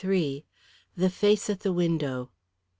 THE FACE AT THE WINDOW.